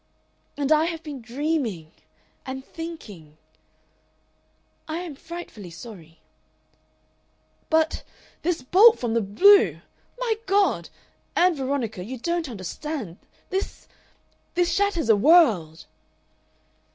"And I have been dreaming and thinking " "I am frightfully sorry...." "But This bolt from the blue! My God! Ann Veronica, you don't understand. This this shatters a world!"